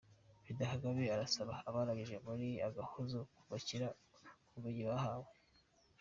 Perezida Kagame arasaba abarangije muri Agahozo kubakira ku bumenyi bahawe